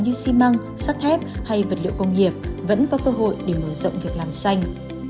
như xi măng sắt thép hay vật liệu công nghiệp vẫn có cơ hội để mở rộng việc làm xanh